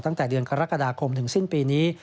ตั้งแต่เดือนกรกฎาคมถึงสิ้นปีนี้